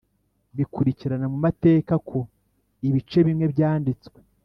bikurikirana mu mateka ko ibice bimwe byandistwe